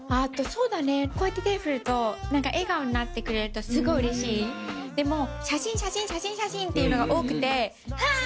そうだねこうやって手振ると笑顔になってくれるとすごいうれしいでも「写真写真写真」っていうのが多くてはぁ！